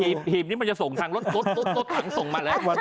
ไอ้ฮีมนี่มันจะส่งทางรถตรงส่งมาเลย